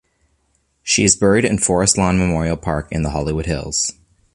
She is buried in Forest Lawn Memorial Park in the Hollywood Hills.